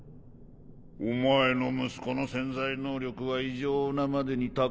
お前の息子の潜在能力は異常なまでに高すぎる。